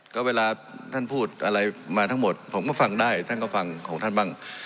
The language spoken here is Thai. ก็เวลาท่านพูดอะไรมาทั้งหมดผมก็ฟังได้ท่านก็ฟังของท่านบ้าง